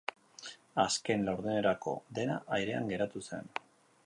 Azken laurdenerako dena airean geratu zen.